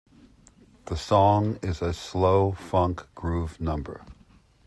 The song is a slow funk groove number.